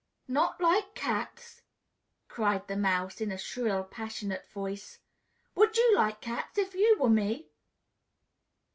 "Not like cats!" cried the Mouse in a shrill, passionate voice. "Would you like cats, if you were me?"